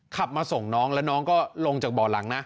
ขับมาส่งน้องแล้วน้องก็ลงจากบ่อหลังนะ